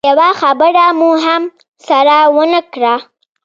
يوه خبره مو هم سره ونه کړه.